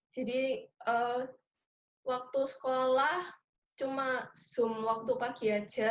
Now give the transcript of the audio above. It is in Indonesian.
jadi waktu sekolah cuma zoom waktu pagi aja